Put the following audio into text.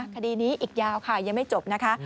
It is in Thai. คดีนี้อีกยาวค่ะยังไม่จบนะคะ